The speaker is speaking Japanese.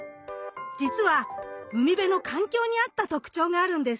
じつは海辺の環境に合った特徴があるんです。